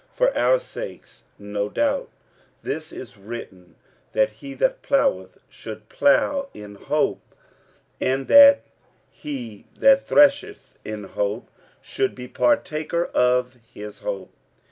For our sakes, no doubt, this is written: that he that ploweth should plow in hope; and that he that thresheth in hope should be partaker of his hope.